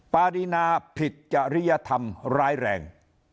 ปารีนาผิดจริยธรรมร้ายแรง